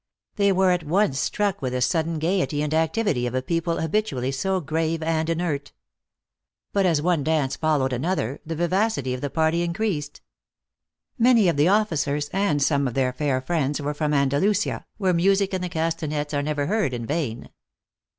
They were at once struck with the sud den gayety and activity of a people habitually so grave and inert. But as one dance followed another, the vivacity of the party increased. Many of the officers and some of their fair friends were from Andalusia, where music and the castinets are never heard in vain.